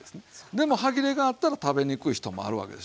でも歯切れがあったら食べにくい人もあるわけでしょ。